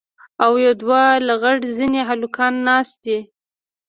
او يو دوه لغړ زني هلکان ناست دي.